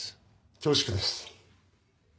恐縮です。